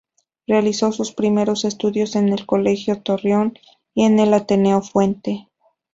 Realizó sus primeros estudios en el Colegio Torreón y en el Ateneo Fuente.